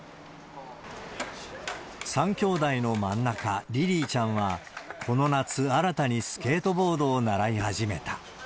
３きょうだいの真ん中、りりいちゃんは、この夏、新たにスケートボードを習い始めた。